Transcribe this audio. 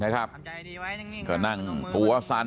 เขานั่งหัวสั่น